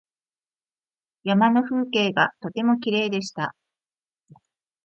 山の風景がとてもきれいでした。